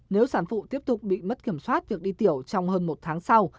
nếu sản phụ tiếp tục bị mất kiểm soát việc đi tiểu trong hơn một tháng sau